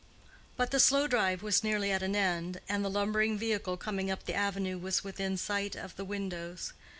But the slow drive was nearly at an end, and the lumbering vehicle coming up the avenue was within sight of the windows.